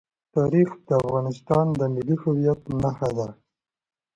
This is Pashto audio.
تاریخ د افغانستان د ملي هویت نښه ده.